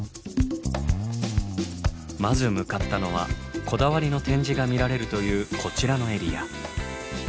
まず向かったのはこだわりの展示が見られるというこちらのエリア。